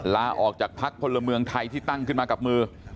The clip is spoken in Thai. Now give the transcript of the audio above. ลาออกจากพักพลเมืองไทยที่ตั้งขึ้นมากับมือ